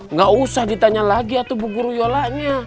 nggak usah ditanya lagi ya tuh bu yola